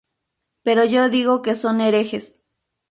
Pero yo digo que son herejes.